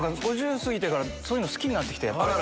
５０過ぎてからそういうの好きになって来て。